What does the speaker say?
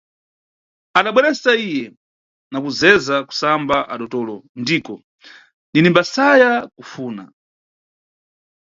Adabwerezera iye, na kuzeza kusamba adotolo, ndiko ndinimbasaya kufuna.